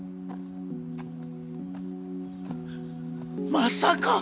まさか。